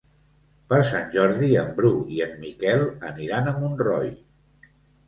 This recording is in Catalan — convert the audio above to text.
Per Sant Jordi en Bru i en Miquel aniran a Montroi.